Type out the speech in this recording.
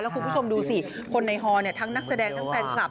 คุณผู้ชมดูสิคนในฮอทั้งนักแสดงทั้งแฟนคลับ